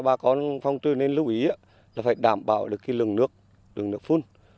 bà con phong trư nên lưu ý là phải đảm bảo được lường nước phun